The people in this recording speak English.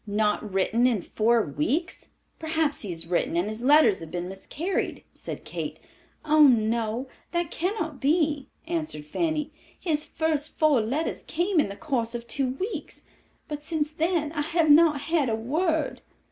"Not written in four weeks? Perhaps he has written and his letters have been miscarried," said Kate. "Oh, no, that cannot be," answered Fanny. "His first four letters came in the course of two weeks, but since then I have not had a word."